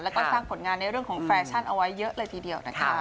แล้วก็สร้างผลงานในเรื่องของแฟชั่นเอาไว้เยอะเลยทีเดียวนะคะ